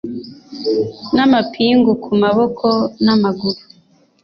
n’amapingu ku maboko n’amaguru